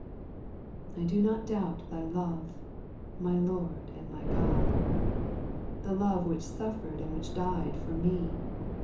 2. I do not doubt Thy love, my Lord and God, The love which suffer'd and which died for me.